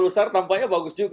lusar tampaknya bagus juga itu